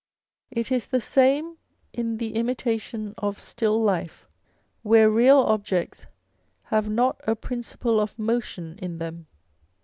It is the same in the imitation of still life, where real objects have not a principle of motion in them.